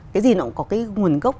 cái gì nó cũng có cái nguồn gốc